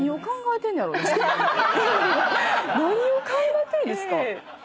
何を考えてるんですか